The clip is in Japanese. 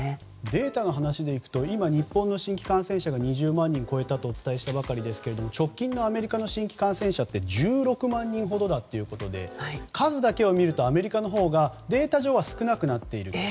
データの話でいくと今、日本の新規感染者が２０万人を超えたとお伝えしたばかりですが直近のアメリカの新規感染者は１６万人ほどだということで数だけを見るとアメリカのほうがデータ上は少なくなっていると。